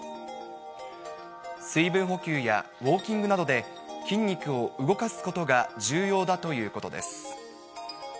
水分補給や、ウォーキングなどで筋肉を動かすことが重要だということです。